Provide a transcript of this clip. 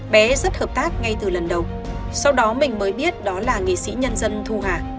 bé rất hợp tác ngay từ lần đầu sau đó mình mới biết đó là nghệ sĩ nhân dân thu hà